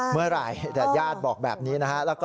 เมื่อไหร่แต่ยาดบอกแบบนี้นะครับ